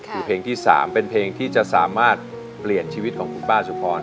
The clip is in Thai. คือเพลงที่๓เป็นเพลงที่จะสามารถเปลี่ยนชีวิตของคุณป้าสุพร